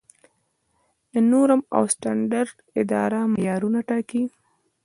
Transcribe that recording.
د نورم او سټنډرډ اداره معیارونه ټاکي